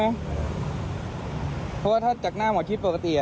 เพราะว่าถ้าจากหน้าหมอชิดปกติ